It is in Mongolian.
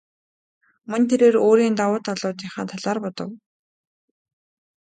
Мөн тэрээр өөрийн давуу талуудынхаа талаар бодов.